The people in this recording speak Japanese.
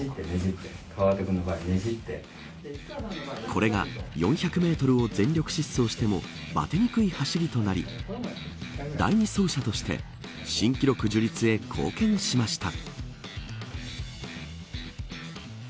これが４００メートルを全力疾走してもばてにくい走りとなり第２走者として新記録樹立へ貢献しました。